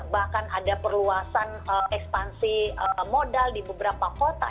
bahkan ada perluasan ekspansi modal di beberapa kota